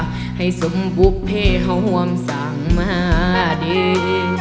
ให้ซุ่มบุกแภทของหวำสังหมาดี